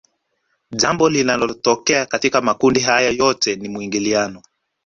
Jambo linalotokea katika makundi haya yote ni mwingiliano